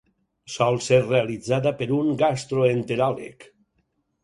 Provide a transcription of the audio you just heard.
Sol ser realitzada per un gastroenteròleg.